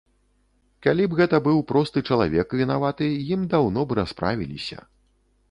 Калі б гэта быў просты чалавек вінаваты, ім даўно б расправіліся.